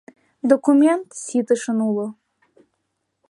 Документ ситышын уло.